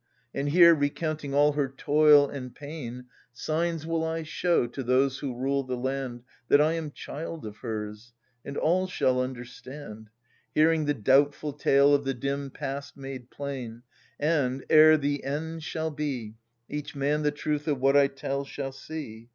And here, recounting all her toil and pain, Signs will I show to those who rule the land That I am child of hers ; and all shall understand, Hearing the doubtful tale of the dim past made plain. ^J :s»^ And, ere the end shall be, E^h man the truth of what I tell shall see.